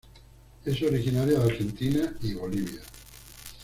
Es originaria de Argentina y Bolivia.